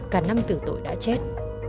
cả năm tử tội đã chết